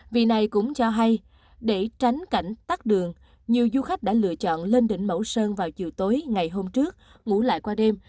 vì này cũng cho hay để tránh cảnh tắt đường nhiều du khách đã lựa chọn lên đỉnh mẫu sơn vào chiều tối ngày hôm trước ngủ lại qua đêm